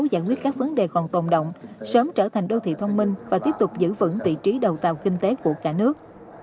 giải quyết các vấn đề còn tồn động sớm trở thành đô thị thông minh và tiếp tục giữ vững vị trí đầu tàu kinh tế của cả nước